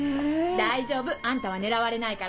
大丈夫あんたは狙われないから。